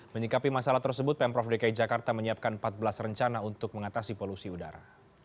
menyikapi masalah tersebut pemprov dki jakarta menyiapkan empat belas rencana untuk mengatasi polusi udara